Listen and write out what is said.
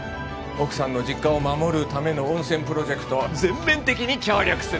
奥さんの実家を守るための温泉プロジェクト全面的に協力する。